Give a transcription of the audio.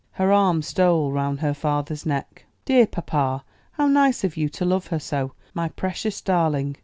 Her arm stole round her father's neck. "Dear papa, how nice of you to love her so; my precious darling.